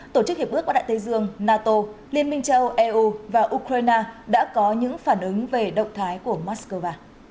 tổ chức hiệp ước bắc đại tây dương nato liên minh châu âu eu và ukraine đã có những phản ứng về động thái của moscow